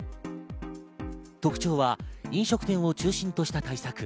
特徴は飲食店を中心とした対策。